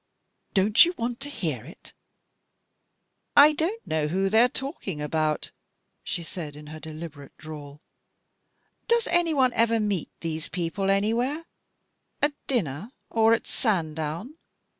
" Don't you want to hear it ?"" I don't know who they're talking about," said the pretty woman deliberately. " Does one ever meet these people anywhere — at dinner, or at Sandown